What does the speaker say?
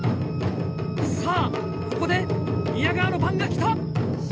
さあ、ここで宮川の番が来た。